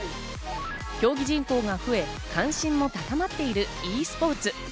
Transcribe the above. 競技人口が増え、関心も高まっているｅスポーツ。